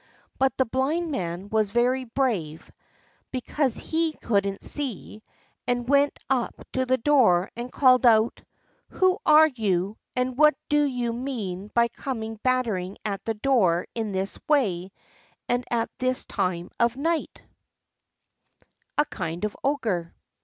But the Blind Man was very brave (because he couldn't see), and went up to the door and called out: "Who are you, and what do you mean by coming battering at the door in this way and at this time of night?" Footnote 7: A kind of ogre.